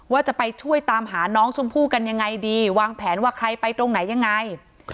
ว่าจะไปช่วยตามหาน้องชมพู่กันยังไงดีวางแผนว่าใครไปตรงไหนยังไง